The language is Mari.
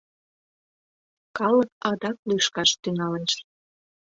Калык адак лӱшкаш тӱҥалеш.